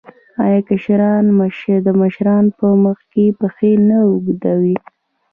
آیا کشران د مشرانو په مخ کې پښې نه اوږدوي؟